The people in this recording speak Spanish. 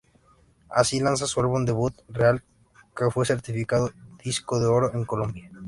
Así lanza su álbum debut "Real", que fue certificado disco de oro en Colombia.